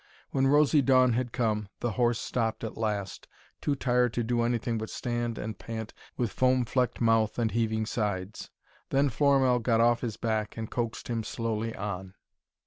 When rosy dawn had come, the horse stopped at last, too tired to do anything but stand and pant with foam flecked mouth and heaving sides. Then Florimell got off his back and coaxed him slowly on.